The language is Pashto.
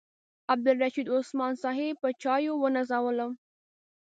عبدالرشید عثمان صاحب په چایو ونازولم.